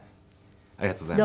ありがとうございます。